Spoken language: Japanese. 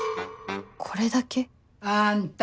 これだけ？あんた